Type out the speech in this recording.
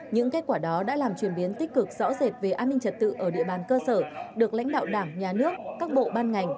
những kết quả đó đã làm chuyển biến tích cực rõ rệt về an ninh trật tự ở địa bàn cơ sở được lãnh đạo đảng nhà nước các bộ ban ngành